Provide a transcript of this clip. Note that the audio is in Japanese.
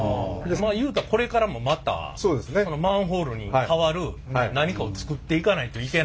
まあ言うたらこれからもまたそのマンホールに代わる何かを作っていかないといけないと。